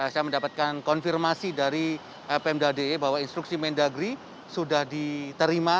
saya mendapatkan konfirmasi dari pemprov d i e bahwa instruksi mendagri sudah diterima